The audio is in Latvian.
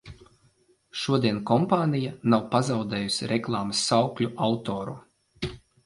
Šodien kompānija nav pazaudējusi reklāmas saukļu autoru.